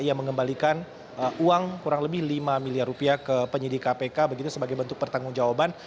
ia mengembalikan uang kurang lebih lima miliar rupiah ke penyidik kpk begitu sebagai bentuk pertanggung jawaban